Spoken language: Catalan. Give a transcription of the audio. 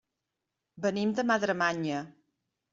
Venim de Madremanya.